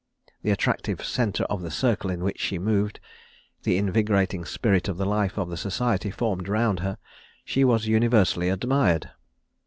The attractive centre of the circle in which she moved, the invigorating spirit of the life of the society formed around her, she was universally admired.